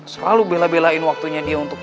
selalu bela belain waktunya dia untuk